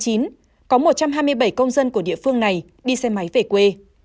có một trăm hai mươi bảy công dân của địa phương này đi xe máy về quê